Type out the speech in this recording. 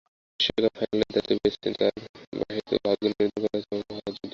বিশ্বকাপ ফাইনালের দায়িত্ব পেয়েছেন, তাঁর বাঁশিতেই ভাগ্য নির্ধারণ হয়েছে এমন মহাযজ্ঞের।